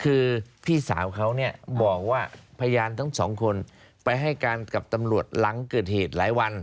คือพี่สาวเขาเนี่ยบอกว่าพยานทั้งสองคนไปให้การกับตำรวจหลังเกิดเหตุหลายวัน